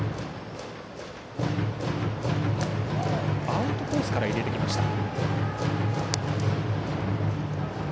アウトコースから入れてきました。